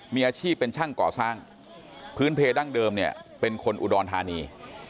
มีอาชีพเป็นช่างก่อสร้างพื้นเพดั้งเดิมเนี่ยเป็นคนอุดรธานี